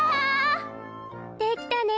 できた！